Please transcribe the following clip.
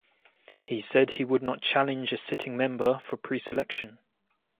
He said he would not challenge a sitting member for pre-selection.